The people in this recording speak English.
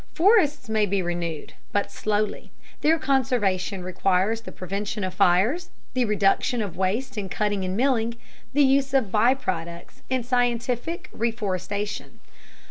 Forests may be renewed, but slowly. Their conservation requires the prevention of fires, the reduction of waste in cutting and milling, the use of by products, and scientific reforestation.